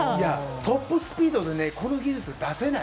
トップスピードでこの技術は出せない。